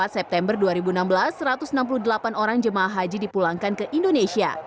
empat september dua ribu enam belas satu ratus enam puluh delapan orang jemaah haji dipulangkan ke indonesia